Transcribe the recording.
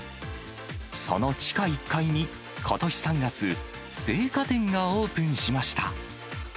その地下１階に、ことし３月、青果店がオープンしました。